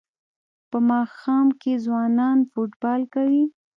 په ماښام کې ځوانان فوټبال کوي.